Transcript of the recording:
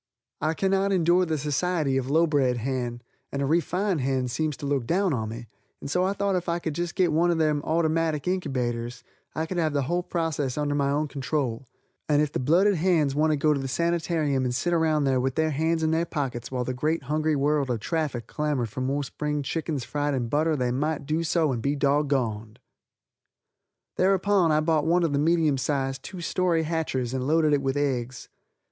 I cannot endure the society of a low bred hen, and a refined hen seems to look down on me, and so I thought if I could get one of those ottymatic inkybaters I could have the whole process under my own control, and if the blooded hens wanted to go to the sanitarium and sit around there with their hands in their pockets while the great hungry world of traffic clamored for more spring chickens fried in butter they might do so and be doggoned. Thereupon I bought one of the medium size, two story hatchers and loaded it with eggs.